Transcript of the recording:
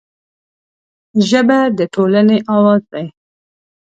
ژبه د ټولنې اواز دی